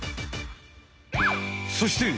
そして。